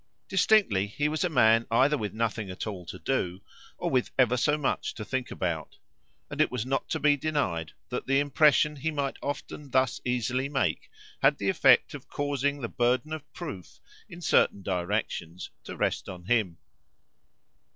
Distinctly he was a man either with nothing at all to do or with ever so much to think about; and it was not to be denied that the impression he might often thus easily make had the effect of causing the burden of proof in certain directions to rest on him.